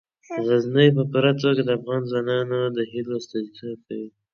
غزني په پوره توګه د افغان ځوانانو د هیلو استازیتوب کوي.